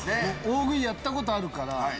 大食いやったことあるから。